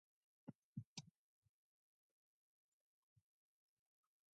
It dates back to Chalcolithic period and late Hittite period.